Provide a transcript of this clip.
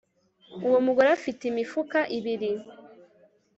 Uwo mugore afite imifuka ibiri